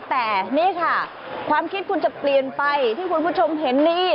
แต่นี่ค่ะความคิดคุณจะเปลี่ยนไปที่คุณผู้ชมเห็นนี่